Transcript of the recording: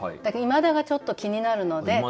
「いまだ」がちょっと気になるので。